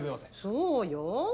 そうよ。